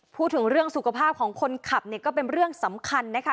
พูดถึงเรื่องสุขภาพของคนขับเนี่ยก็เป็นเรื่องสำคัญนะคะ